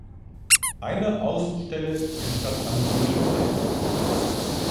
Eine Außenstelle entstand am Sudelfeld.